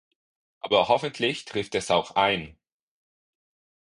Aber hoffentlich trifft es auch ein!